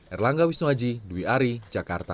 erlangga wisnuaji dwi ari jakarta